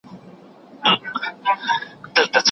تاند او شین زرغون مي دی له دوی د زړګي کلی